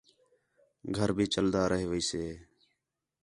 گھر بھی چَلدا رَہ ویسے